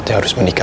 saya harus menikah